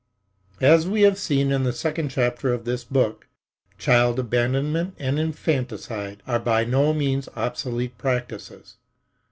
As we have seen in the second chapter of this book, child abandonment and infanticide are by no means obsolete practices.